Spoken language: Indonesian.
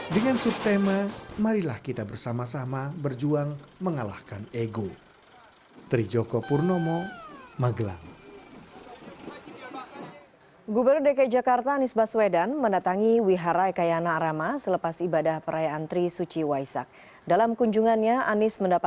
dengan subtema marilah kita bersama sama berjuang mengalahkannya